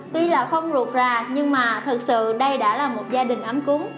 tuy là không ruột rạc nhưng mà thật sự đây đã là một gia đình ấm cúng